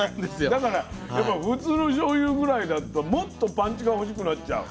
だから普通のしょうゆぐらいだともっとパンチが欲しくなっちゃう。